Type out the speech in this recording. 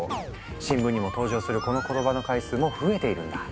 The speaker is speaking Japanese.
新聞にも登場するこの言葉の回数も増えているんだ。